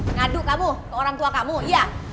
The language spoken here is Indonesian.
ngaduk kamu ke orang tua kamu iya